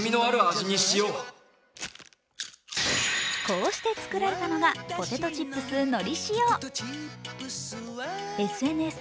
こうして作られたのがポテトチップスのり塩。